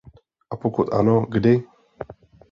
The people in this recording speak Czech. A pokud ano, kdy?